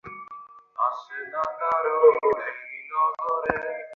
আমি একা-একা বিশ্রাম করতে পছন্দ করি।